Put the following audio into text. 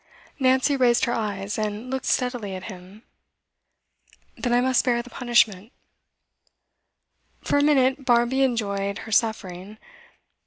Nancy raised her eyes and looked steadily at him. 'Then I must bear the punishment.' For a minute Barmby enjoyed her suffering.